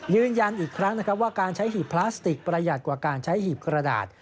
ยืนยันอีกครั้งนะครับว่าการใช้หีบพลาสติกประหยัดกว่าการใช้หีบกระดาษ